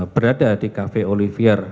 berada di cafe olivier